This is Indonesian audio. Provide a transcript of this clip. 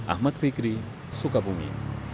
ahmad fikri sukabumi